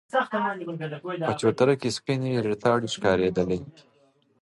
په چوتره کې سپينې ريتاړې ښکارېدلې.